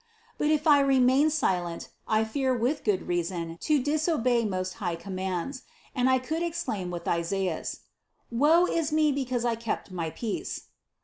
But if I 14 INTRODUCTION remain silent, I fear with good reason to disobey most high commands, and I could exclaim with Isaias : "Woe is me because I kept my peace!"